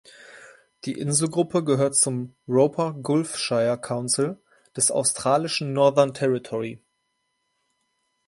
Die Inselgruppe gehört zum Roper Gulf Shire Council des australischen Northern Territory.